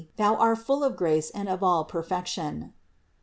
Thou are full of grace and of all perfection."